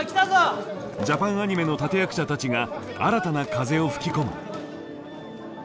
ジャパンアニメの立て役者たちが新たな風を吹き込む。